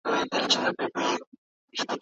افغانانو ولي د ګرګين پر ضد ږغ پورته کړ؟